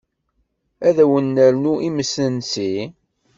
Ad wen-nernu imesnsi?